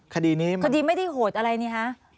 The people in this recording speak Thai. คดีนี้คดีไม่ได้โหดอะไรนี่ฮะ